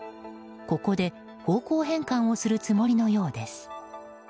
ここで方向変換をするつもりのようです。